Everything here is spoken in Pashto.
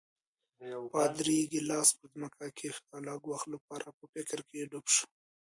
پادري ګیلاس پر ځمکه کېښود او لږ وخت لپاره په فکر کې ډوب شو.